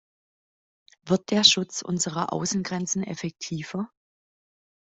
Wird der Schutz unserer Außengrenzen effektiver?